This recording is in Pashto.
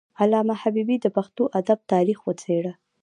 علامه حبيبي د پښتو ادب تاریخ وڅیړه.